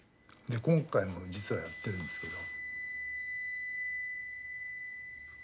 今回も実はやってるんですけど。